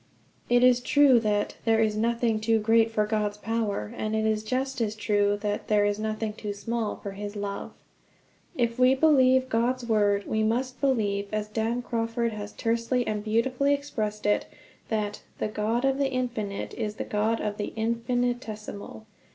It is true that "There is nothing too great for God's power"; and it is just as true that "There is nothing too small for his love!" If we believe God's Word we must believe, as Dan Crawford has tersely and beautifully expressed it, that "The God of the infinite is the God of the infinitesimal."